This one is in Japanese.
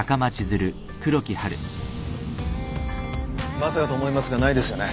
まさかとは思いますがないですよね？